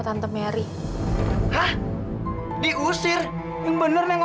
diam lu jangan ngomong